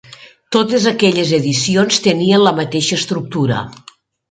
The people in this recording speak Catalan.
Totes aquelles edicions tenien la mateixa estructura.